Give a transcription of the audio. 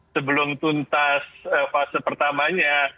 sebelum tuntas fase pertamanya